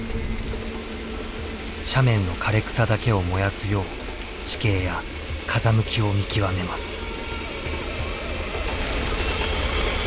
斜面の枯れ草だけを燃やすよう地形や風向きを見極めます。